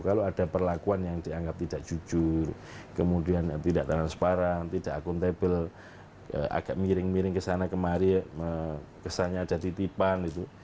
kalau ada perlakuan yang dianggap tidak jujur kemudian tidak transparan tidak akuntabel agak miring miring kesana kemari kesannya ada titipan gitu